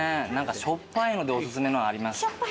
しょっぱいのでおすすめのあります？